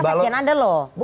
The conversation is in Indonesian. tapi lah sejen ada loh